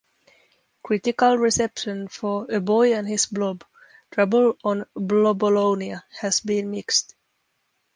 Critical reception for "A Boy and His Blob: Trouble on Blobolonia" has been mixed.